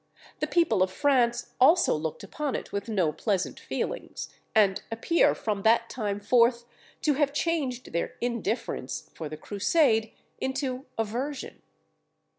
The people of France also looked upon it with no pleasant feelings, and appear from that time forth to have changed their indifference for the Crusade into aversion.